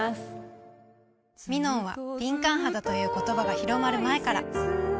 ミノンは「敏感肌」という言葉が広まる前から。